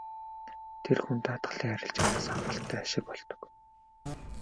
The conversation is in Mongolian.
Тэр хүн даатгалын арилжаанаас хангалттай ашиг олдог.